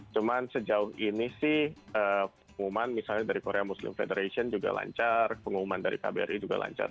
cuman sejauh ini sih pengumuman misalnya dari korea muslim federation juga lancar pengumuman dari kbri juga lancar